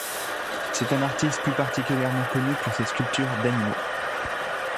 C'est un artiste plus particulièrement connu pour ses sculptures d'animaux.